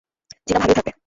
জিনা ভালোই থাকবে।